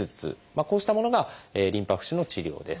こうしたものがリンパ浮腫の治療です。